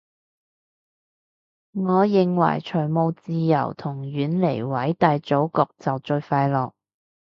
我認為財務自由同遠離偉大祖國就最快樂